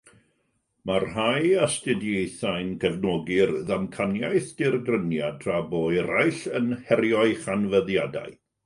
Mae rhai astudiaethau'n cefnogi'r ddamcaniaeth dirgryniad tra bo eraill yn herio'i chanfyddiadau.